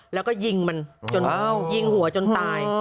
แล้วก็ยิงมันจนยิงหัวจนตาย